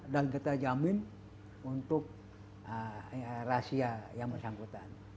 dan kita jamin untuk rahasia yang bersangkutan